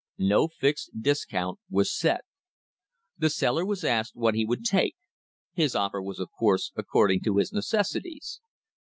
No fixed discount was set. The seller was asked what he would take; his offer was, of course, according to his necessities.